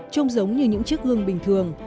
trông giống như những chiếc gương bình thường